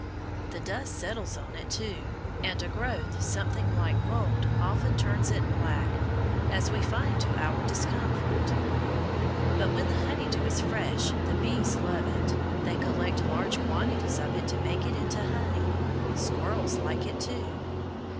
The dust settles on it, too and a growth something like mould often turns it black as we find to our discomfort. But when the honey dew is fresh the bees love it. They collect large quantities of it and make it into honey. Squirrels like it to.